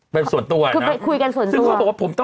คือคุยกันส่วนตัว